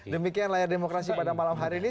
demikian layar demokrasi pada malam hari ini